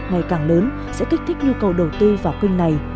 ngày càng lớn sẽ kích thích nhu cầu đầu tư vào kênh này